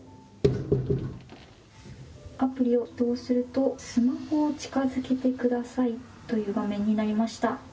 アプリを起動するとスマホを近づけてくださいという画面になりました。